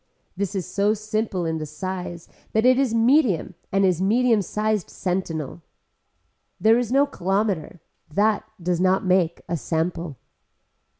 This is so simple in the size that is medium and is medium sized sentinel. There is no kilometer. That does not make a sample.